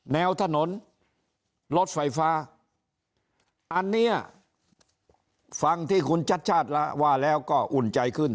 แนวถนนรถไฟฟ้าอันนี้ฟังที่คุณชัดชาติว่าแล้วก็อุ่นใจขึ้น